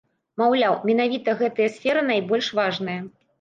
Маўляў, менавіта гэтыя сферы найбольш важныя.